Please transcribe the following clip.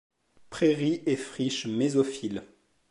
Prairies et friches mésophiles.